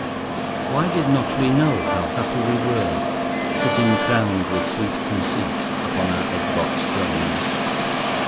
Why did not we know how happy we were, sitting crowned with sweet conceit upon our egg box thrones?